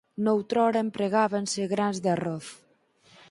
Noutrora empregábanse grans de arroz.